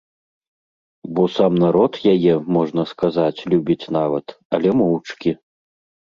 Бо сам народ яе, можна сказаць, любіць нават, але моўчкі.